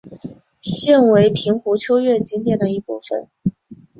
现为平湖秋月景点的一部分。